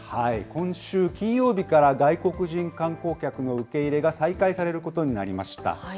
今週金曜日から外国人観光客の受け入れが再開されることになりました。